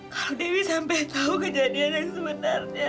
kang dewi sampai tahu kejadian yang sebenarnya